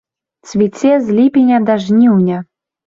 Цвіце з ліпеня да жніўня.